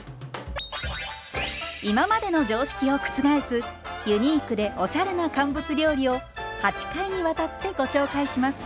今までの常識を覆すユニークでおしゃれな乾物料理を８回にわたってご紹介します。